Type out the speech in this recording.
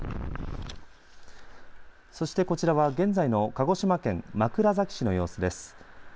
そして、こちらは現在の鹿児島県枕崎市の様子です。